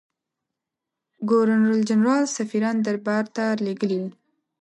ګورنرجنرال سفیران دربارته لېږلي وه.